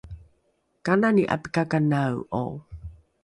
kanani ’apikakanae’o?